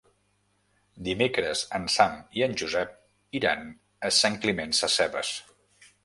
Dimecres en Sam i en Josep iran a Sant Climent Sescebes.